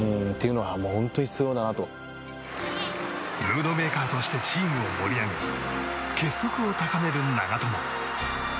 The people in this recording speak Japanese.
ムードメーカーとしてチームを盛り上げ結束を高める長友。